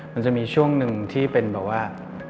มันจะมีช่วงหนึ่งที่เป็นแบบว่า